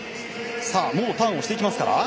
さあ、もうターンをしていきますか。